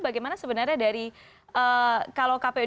bagaimana sebenarnya dari kalau kp udk jakarta itu kan semua calegnya saja